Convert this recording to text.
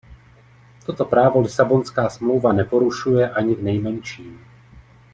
Toto právo Lisabonská smlouva neporušuje ani v nejmenším.